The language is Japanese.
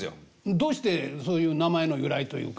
どうしてそういう名前の由来というか。